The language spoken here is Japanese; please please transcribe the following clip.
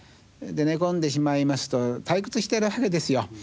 寝込んでしまいますと退屈してるわけですよ。